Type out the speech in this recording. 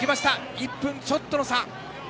１分ちょっとの差。